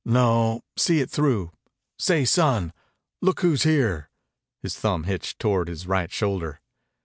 "No. See it through. Say, son, look who's here!" His thumb hitched toward his right shoulder.